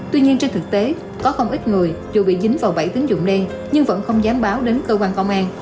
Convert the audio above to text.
tuy nhiên trên thực tế có không ít người dù bị dính vào bẫy tín dụng đen nhưng vẫn không dám báo đến cơ quan công an